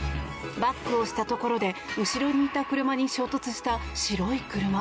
バックをしたところで後ろにいた車に衝突した白い車。